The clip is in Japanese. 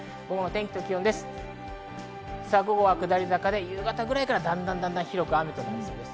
下り坂で夕方ぐらいからだんだん広く雨となりそうです。